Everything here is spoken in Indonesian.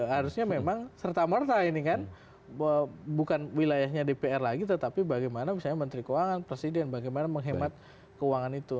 harusnya memang serta merta ini kan bukan wilayahnya dpr lagi tetapi bagaimana misalnya menteri keuangan presiden bagaimana menghemat keuangan itu